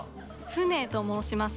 フネと申します。